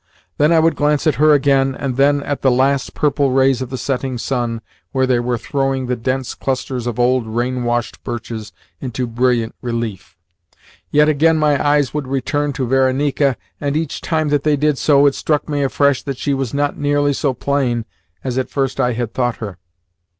Then I would glance at her again, and then at the last purple rays of the setting sun where they were throwing the dense clusters of old, rain washed birches into brilliant relief. Yet again my eyes would return to Varenika, and, each time that they did so, it struck me afresh that she was not nearly so plain as at first I had thought her.